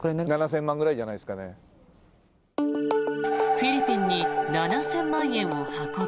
フィリピンに７０００万円を運ぶ。